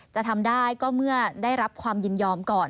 จะทำได้ก็เมื่อได้รับความยินยอมก่อน